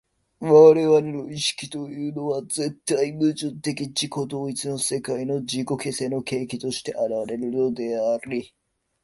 我々の意識というのは絶対矛盾的自己同一の世界の自己形成の契機として現れるのであり、